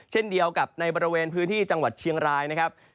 เช่นเดียวกับในบริเวณพื้นที่จังหวัดเชียงรายนะครับ